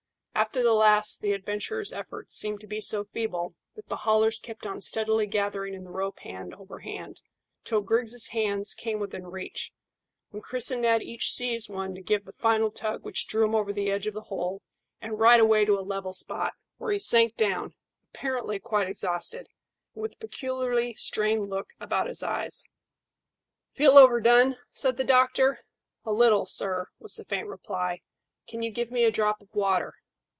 After the last the adventurer's efforts seemed to be so feeble that the haulers kept on steadily gathering in the rope hand over hand, till Griggs' hands came within reach, when Chris and Ned each seized one to give the final tug which drew him over the edge of the hole and right away to a level spot, where he sank down, apparently quite exhausted, and with a peculiarly strained look about his eyes. "Feel overdone?" said the doctor. "A little, sir," was the faint reply. "Can you give me a drop of the water?"